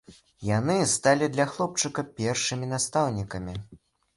Яны і сталі для хлопчыка першымі настаўнікамі.